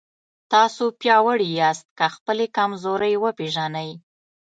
تاسو پیاوړي یاست که خپلې کمزورۍ وپېژنئ.